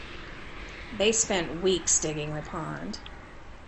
They spent weeks digging the pond.